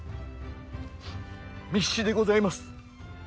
密旨でございます。